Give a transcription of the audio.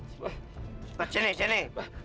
cepat sini sini